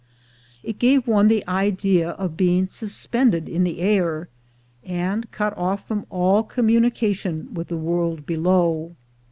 It gave one the idea of being suspended in the air, and cut off from all communi cation with the world below.